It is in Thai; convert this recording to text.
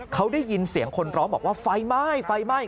เขาได้ยินเสียงคนร้องบอกว่าไฟไหม้ไฟไหม้